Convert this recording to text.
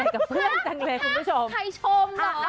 ใครชมหรอ